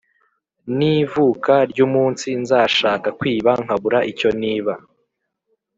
n' ivuka ry' umunsi nzashaka kwiba nkabura icyo niba